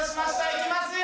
いきますよ。